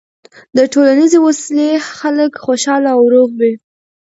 د ټولنیزې وصلۍ خلک خوشحاله او روغ دي.